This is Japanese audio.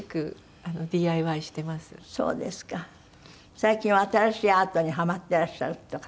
最近は新しいアートにハマってらっしゃるとか。